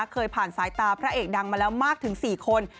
เคยผ่านสายตาพระเอกดังมาแล้วมากถึง๔คน